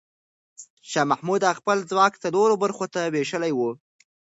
شاه محمود خپل ځواک څلور برخو ته وېشلی و.